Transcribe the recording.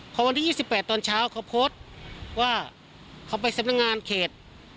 พอวันที่๒๘ตอนเช้าเขาโพสต์ว่าเขาไปสำนักงานเขต